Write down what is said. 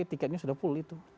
tiketnya sudah full itu